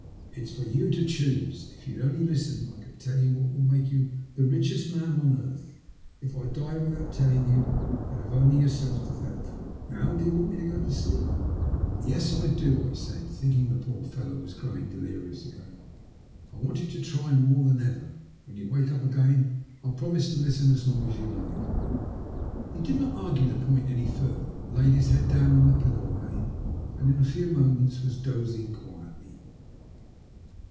"It's for you to choose. If you'd only listen, I could tell you what will make you the richest man on earth. If I die without telling you, you'll only have yourself to thank for it. Now do you want me to go to sleep ?" 18 THE LUST OF HATE. " Yo8| I do !" I said, thinking the poor fellow was growing delirious again. ''I want you to try more than ever. When yon wake up again I'll promise to listen as long as you like." He did not argue the point any further, but laid his head down on his pillow again, and in a few moments was dozing quietly.